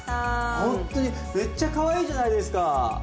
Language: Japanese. ほんっとにめっちゃかわいいじゃないですか！